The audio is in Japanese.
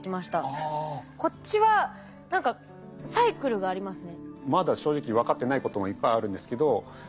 こっちは何かサイクルがありますね。